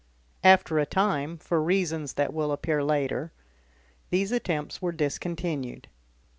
After a time, for reasons that will appear later, these attempts were discontinued.